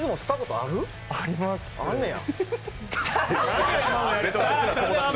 あんねや。